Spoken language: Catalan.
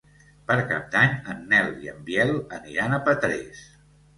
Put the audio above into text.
Per Cap d'Any en Nel i en Biel aniran a Petrés.